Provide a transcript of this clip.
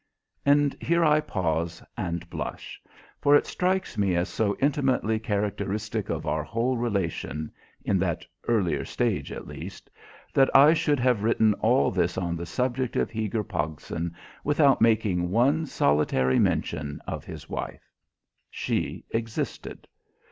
And here I pause and blush. For it strikes me as so intimately characteristic of our whole relation in that earlier stage, at least that I should have written all this on the subject of Heber Pogson without making one solitary mention of his wife. She existed.